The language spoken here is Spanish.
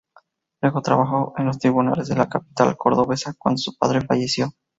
Luego trabajó en los tribunales de la capital cordobesa cuando su padre falleció.